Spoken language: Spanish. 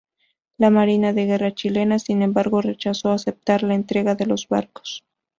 La marina de guerra chilena sin embargo rechazó aceptar la entrega de los barcos.